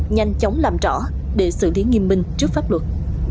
nhanh chóng làm rõ để xử lý nghiêm minh trước pháp luật